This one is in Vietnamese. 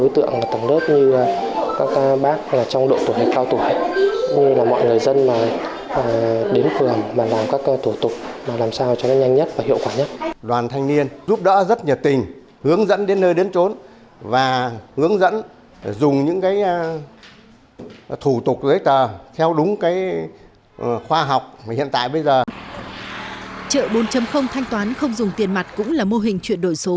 trợ bốn thanh toán không dùng tiền mặt cũng là mô hình chuyển đổi số